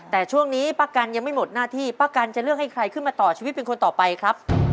แต่ช่วงนี้ป้ากันยังไม่หมดหน้าที่ป้ากันจะเลือกให้ใครขึ้นมาต่อชีวิตเป็นคนต่อไปครับ